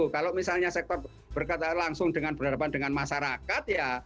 kalau misalnya sektor berkata langsung dengan berhadapan dengan masyarakat ya